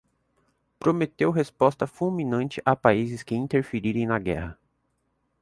prometeu resposta fulminante a países que interferirem na guerra